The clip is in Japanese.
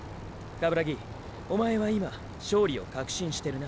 鏑木おまえは今勝利を確信してるな。